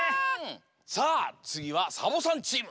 さあつぎはサボさんチーム。